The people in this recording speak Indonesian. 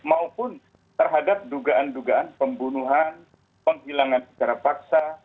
maupun terhadap dugaan dugaan pembunuhan penghilangan secara paksa